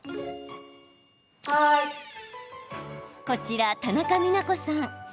こちら、田中美奈子さん。